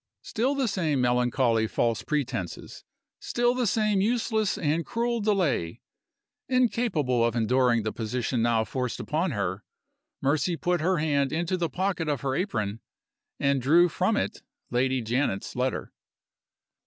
Still the same melancholy false pretenses! still the same useless and cruel delay! Incapable of enduring the position now forced upon her, Mercy put her hand into the pocket of her apron, and drew from it Lady Janet's letter.